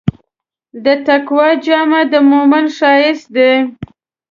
د تقوی جامه د مؤمن ښایست دی.